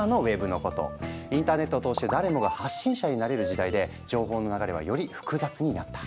インターネットを通して誰もが発信者になれる時代で情報の流れはより複雑になった。